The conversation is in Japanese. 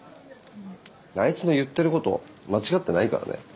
あいつの言ってること間違ってないからね。